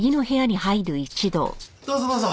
どうぞどうぞ。